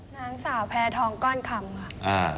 นางสาวแพร่ทองก้อนคำ